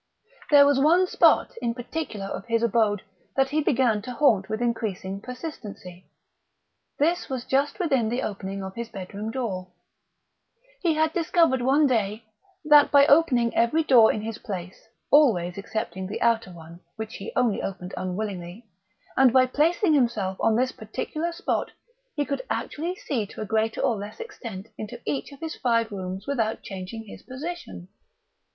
There was one spot in particular of his abode that he began to haunt with increasing persistency. This was just within the opening of his bedroom door. He had discovered one day that by opening every door in his place (always excepting the outer one, which he only opened unwillingly) and by placing himself on this particular spot, he could actually see to a greater or less extent into each of his five rooms without changing his position.